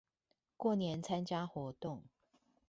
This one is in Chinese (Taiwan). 過年參加活動